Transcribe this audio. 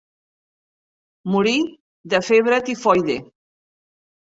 Morí de febre tifoide.